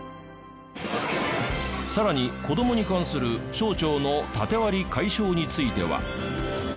さらに子どもに関する省庁のタテ割り解消については。